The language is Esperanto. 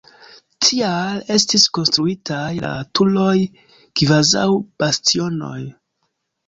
Tial estis konstruitaj la turoj kvazaŭ bastionoj.